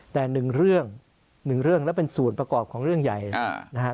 แต่๑เรื่องแล้วเป็นศูนย์ประกอบของเรื่องใหญ่นะฮะ